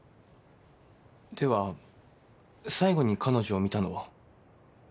では最後に彼女を見たのは？